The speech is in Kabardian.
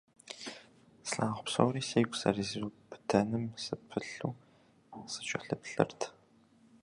Слъагъу псори сигу зэризубыдэным сыпылъу сыкӀэлъыплъырт.